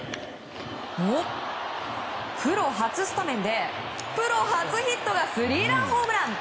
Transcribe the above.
プロ初スタメンでプロ初ヒットがスリーランホームラン。